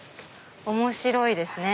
面白いですね